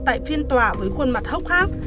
tại phiên tòa với khuôn mặt hốc hát